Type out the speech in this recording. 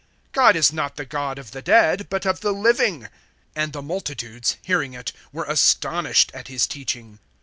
God is not the God of the dead, but of the living. (33)And the multitudes, hearing it, were astonished at his teaching.